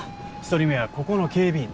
１人目はここの警備員。